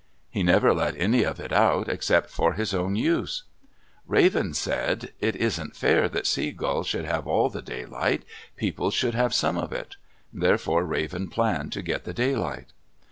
He never let any of it out except for his own use. Raven said, "It isn't fair that Sea Gull should have all the daylight. People should have some of it." Therefore Raven planned to get the daylight.